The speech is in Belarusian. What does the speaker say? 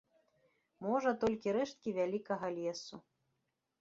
Можа, толькі рэшткі вялікага лесу.